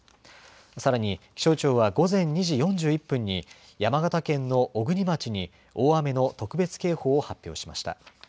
さらに気象庁は午前２時４１分に山形県の小国町に大雨の特別警報を発表しました。